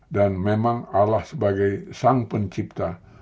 dan memang allah sebagai sang pencipta